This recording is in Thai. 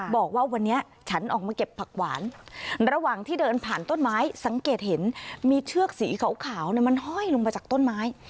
บอกว่าวันนี้ฉันออกมาเก็บผักหวานระหว่างที่เดินผ่านต้นไม้สังเกตเห็นมีเชือกสีขาวมันห้อยลงมาจากต้นไม้